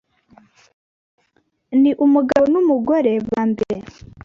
Ni umugabo n’umugore ba mbere